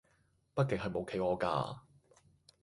北極係冇企鵝架